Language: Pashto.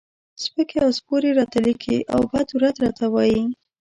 سپکې او سپورې راته لیکي او بد و رد راته وایي.